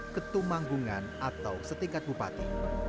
ketumanggungan atau setingkat bupati